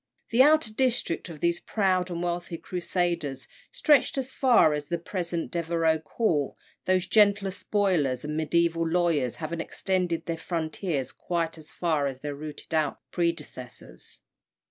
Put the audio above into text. The outer district of these proud and wealthy Crusaders stretched as far as the present Devereux Court; those gentler spoilers, the mediæval lawyers, having extended their frontiers quite as far as their rooted out predecessors.